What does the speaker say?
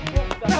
lo gak bantu